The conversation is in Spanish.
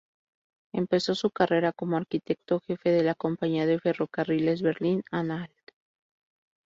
Empezó su carrera como arquitecto jefe de la Compañía de Ferrocarriles Berlín-Anhalt.